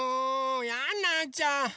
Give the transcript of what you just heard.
やんなっちゃう！